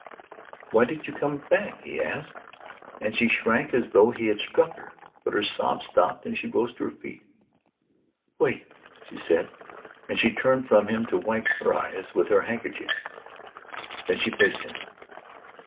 "Why did you come back?" he asked, and she shrank as though he had struck her but her sobs stopped and she rose to her feet. "Wait," she said, and she turned from him to wipe her eyes with her handerchief. Then she faced him.